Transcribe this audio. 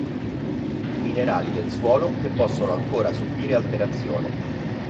Minerali del suolo che possono ancora subire alterazione.